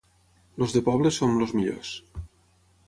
Els de poble som els millors.